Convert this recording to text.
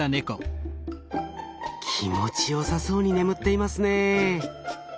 気持ちよさそうに眠っていますね。